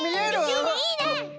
いいねいいね！